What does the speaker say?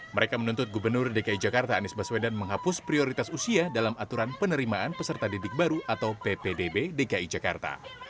mereka menuntut gubernur dki jakarta anies baswedan menghapus prioritas usia dalam aturan penerimaan peserta didik baru atau ppdb dki jakarta